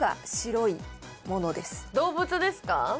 動物ですか？